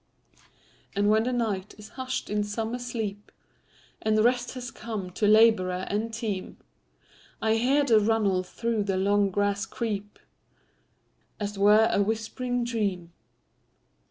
And when the night is hush'd in summer sleep, And rest has come to laborer and team,I hear the runnel through the long grass creep, As 't were a whispering dream.